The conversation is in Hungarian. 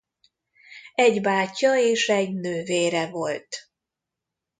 Egy bátyja és egy nővére volt.